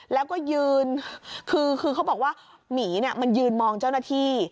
แล้วก็ยืนคือเขาบอกว่าหมีมันยืนมองเจ้าหน้าที่